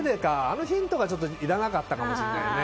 あのヒントがいらなかったかもしれないね。